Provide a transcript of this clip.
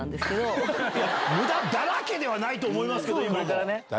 無駄だらけではないと思いますけど。